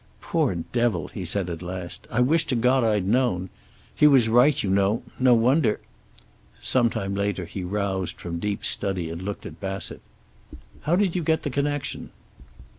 "Poor devil!" he said at last. "I wish to God I'd known. He was right, you know. No wonder " Sometime later he roused from deep study and looked at Bassett. "How did you get the connection?"